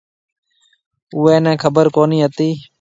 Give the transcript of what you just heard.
اُوئي نَي خبر ڪونهي هتي۔